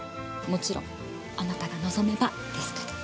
もちろんあなたが望めばですけど。